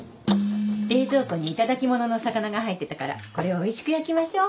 冷蔵庫に頂き物のお魚が入ってたからこれをおいしく焼きましょう。